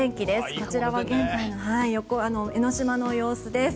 こちらは現在の江の島の様子です。